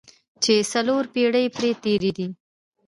چې څلور پېړۍ پرې تېرې دي.